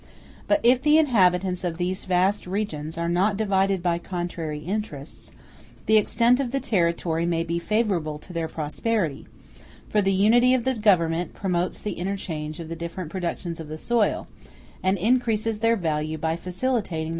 But if the inhabitants of these vast regions are not divided by contrary interests, the extent of the territory may be favorable to their prosperity; for the unity of the government promotes the interchange of the different productions of the soil, and increases their value by facilitating their consumption.